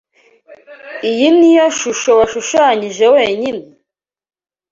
Iyi niyo shusho washushanyije wenyine?